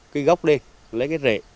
cái gốc đi lấy cái rễ